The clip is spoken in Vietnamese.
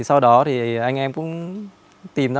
sau đó thì anh em cũng tìm ra